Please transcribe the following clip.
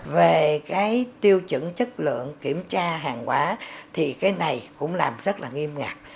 về cái tiêu chuẩn chất lượng kiểm tra hàng quá thì cái này cũng làm rất là nghiêm ngặt